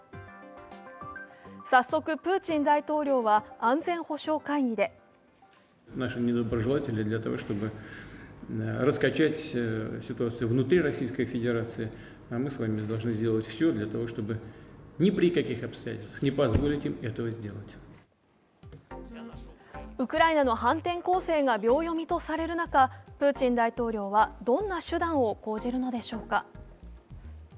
早速、プーチン大統領は安全保障会議でウクライナの反転攻勢が秒読みとされる中、プーチン大統領はどんな手段を講じるのでしょうか。